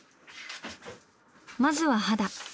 まずは肌。